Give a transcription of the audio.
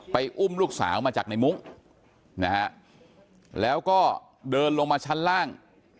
อุ้มลูกสาวมาจากในมุ้งนะฮะแล้วก็เดินลงมาชั้นล่าง